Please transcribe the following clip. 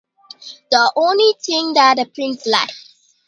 The origin of the phrase is not well documented.